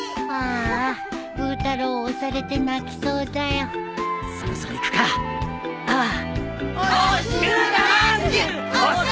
ああ！